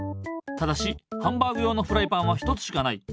ただしハンバーグ用のフライパンは１つしかない。